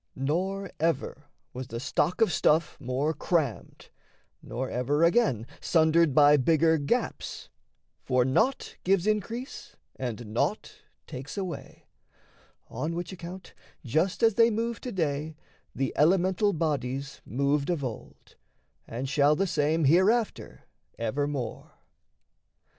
Nor ever was the stock of stuff more crammed, Nor ever, again, sundered by bigger gaps: For naught gives increase and naught takes away; On which account, just as they move to day, The elemental bodies moved of old And shall the same hereafter evermore.